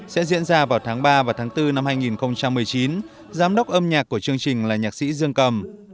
sẽ diễn ra vào tháng ba và tháng bốn năm hai nghìn một mươi chín giám đốc âm nhạc của chương trình là nhạc sĩ dương cầm